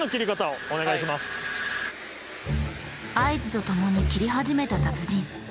合図とともに切り始めた達人。